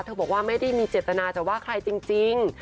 บอกว่าไม่ได้มีเจตนาจะว่าใครจริง